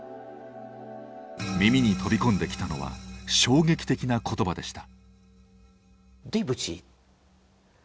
耳に飛び込んできたのは衝撃的な言葉でした。